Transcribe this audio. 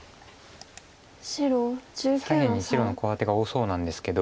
左辺に白のコウ立てが多そうなんですけど。